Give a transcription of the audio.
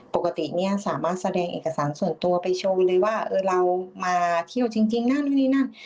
ปกติเนี่ยสามารถแสดงเอกสารส่วนตัวไปโชว์เลยว่าเรามาเที่ยวจริงนั่นนู่นนี่นั่น